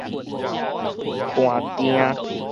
捾定